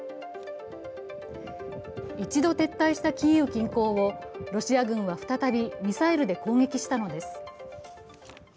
一度撤退したキーウ近郊をロシア軍は再びミサイルで攻撃したのです。